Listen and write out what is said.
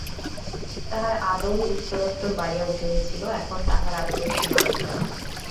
তাহার আদর উত্তরোত্তর বাড়িয়া উঠিতেছিল, এখন তাহার আদরের সীমা রহিল না।